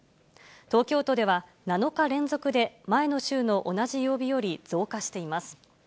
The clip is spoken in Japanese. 東京都では７日連続で前の週の同じ曜日より増加しています。